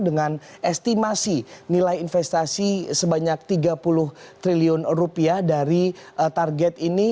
dengan estimasi nilai investasi sebanyak tiga puluh triliun rupiah dari target ini